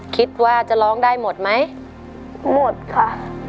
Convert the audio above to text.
คิดว่าจะร้องได้หมดไหมหมดค่ะ